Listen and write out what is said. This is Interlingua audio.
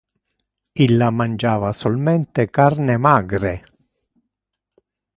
Illa mangiava solmente carne magre.